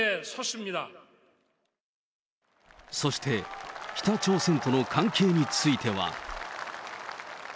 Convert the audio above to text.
そして、北朝鮮との関係については。